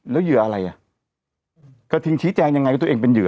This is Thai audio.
แล้วเหยื่ออะไรอ่ะกระทิงชี้แจงยังไงว่าตัวเองเป็นเหยื